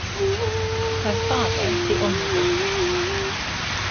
Her father the Hon.